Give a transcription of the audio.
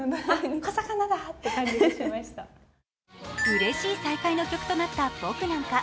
うれしい再会の曲となった「僕なんか」。